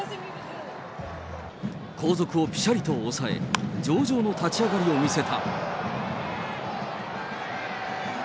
後続をぴしゃりと抑え、上々の立ち上がりを見せた。